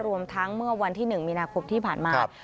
รวมทั้งเมื่อวันที่๑มีนาคมที่ผ่านมา